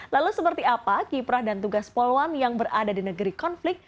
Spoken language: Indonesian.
lalu seperti apa kiprah dan tugas poluan yang berada di negeri konflik